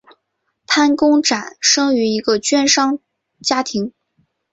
潘公展生于一个绢商家庭。